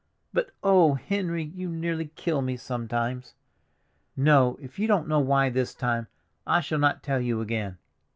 "But, oh, Henry, you nearly kill me sometimes! No, if you don't know why this time, I shall not tell you again."